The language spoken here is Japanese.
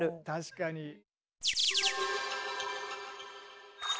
確かに。